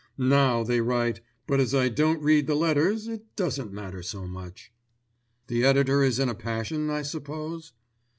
Now they write; but as I don't read the letters, it doesn't matter so much." "The editor is in a passion, I suppose?"